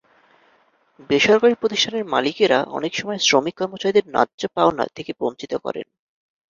বেসরকারি প্রতিষ্ঠানের মালিকেরা অনেক সময় শ্রমিক কর্মচারীদের ন্যায্য পাওনা থেকে বঞ্চিত করেন।